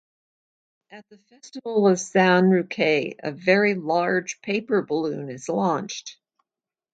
At the festival of San Roque, a very large paper balloon is launched.